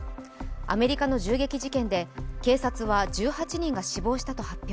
アメリカの銃撃事件で警察は１８人が死亡したと発表。